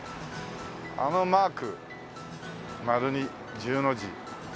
あのマーク丸に十の字。